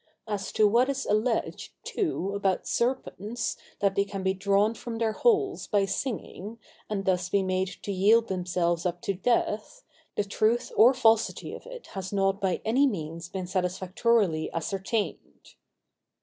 As to what is alleged, too, about serpents, that they can be drawn from their holes by singing, and thus be made to yield themselves up to death, the truth or falsity of it has not by any means been satisfactorily ascertained.